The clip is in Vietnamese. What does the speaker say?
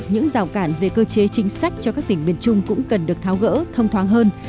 những rào cản về cơ chế chính sách cho các tỉnh miền trung cũng cần được tháo gỡ thông thoáng hơn